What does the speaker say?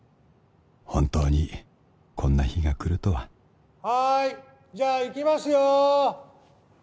本当にこんな日が来るとははーいじゃあいきますよ